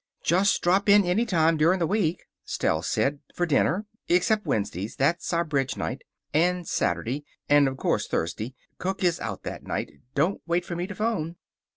"Just drop in any time during the week," Stell said, "for dinner. Except Wednesday that's our bridge night and Saturday. And, of course, Thursday. Cook is out that night. Don't wait for me to phone."